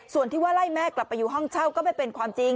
ส่วนที่ว่าไล่แม่กลับไปอยู่ห้องเช่าก็ไม่เป็นความจริง